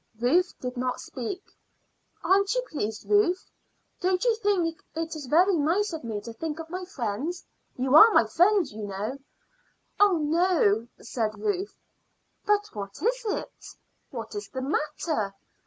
Ruth did not speak. "Aren't you pleased, Ruth? Don't you think it is very nice of me to think of my friends? You are my friend, you know." "Oh no," said Ruth. "But what is it? What is the matter?"